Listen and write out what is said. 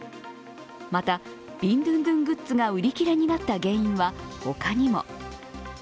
また、ビンドゥンドゥングッズが売り切れになった原因は他にも。